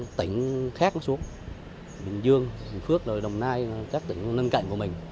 các tỉnh khác xuống bình dương bình phước đồng nai các tỉnh bên cạnh của mình